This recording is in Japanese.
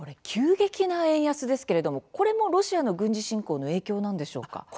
急激な円安ですけれどもこれもロシアの軍事侵攻の影響なんでしょうか？